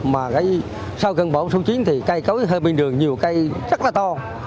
mà cái sau gần bão số chín thì cây cối hơi bình đường nhiều cây rất là to